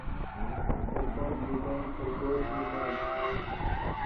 عرفان دکان کھلکوٹ می نان۔